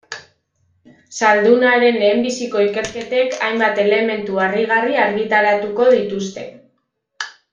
Zaldunaren lehenbiziko ikerketek hainbat elementu harrigarri argitaratuko dituzte...